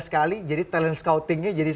sekali jadi talent scoutingnya jadi